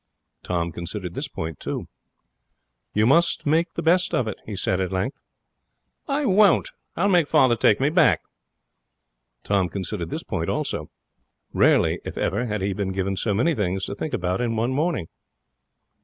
Tom considered this point, too. 'You must make the best of it,' he said, at length. 'I won't! I'll make father take me back.' Tom considered this point also. Rarely, if ever, had he been given so many things to think about in one morning.